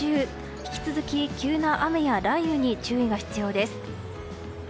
引き続き、急な雨や雷雨に注意が必要です。